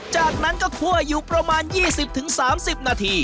จากนั้นก็คั่วอยู่ประมาณ๒๐๓๐นาที